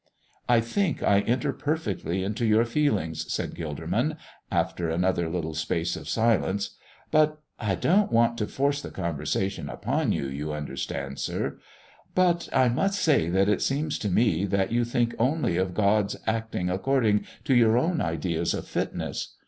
"I think I enter perfectly into your feelings," said Gilderman, after another little space of silence; "but I don't want to force the conversation upon you, you understand, sir but I must say that it seems to me that you think only of God's acting according to your own ideas of fitness.